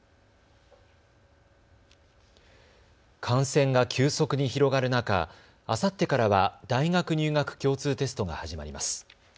感染が急速に広がる中、あさってからは大学入学共通テストが始まります。